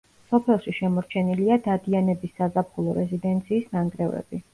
სოფელში შემორჩენილია დადიანების საზაფხულო რეზიდენციის ნანგრევები.